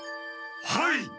はい！